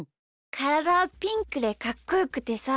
からだはピンクでかっこよくてさ。